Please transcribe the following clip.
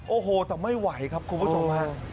โอ้โหแต่ไม่ไหวครับคุณผู้ชมฮะ